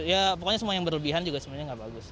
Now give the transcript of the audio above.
ya pokoknya semua yang berlebihan juga sebenarnya nggak bagus